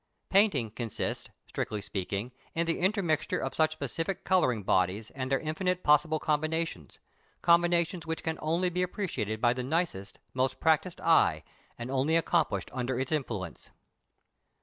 Painting consists, strictly speaking, in the intermixture of such specific colouring bodies and their infinite possible combinations combinations which can only be appreciated by the nicest, most practised eye, and only accomplished under its influence.